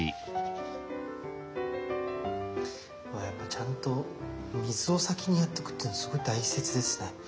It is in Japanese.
やっぱちゃんと水を先にやっておくっていうのすごい大切ですね。